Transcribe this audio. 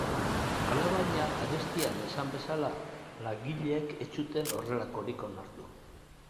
Alabaina, arestian esan bezala, langileek ez zuten horrelakorik onartu.